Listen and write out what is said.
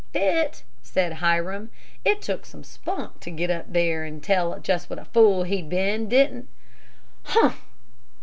"Fit?" said Hiram. "It took some spunk to get up there and tell just what a fool he'd been, didn't " "Humph!"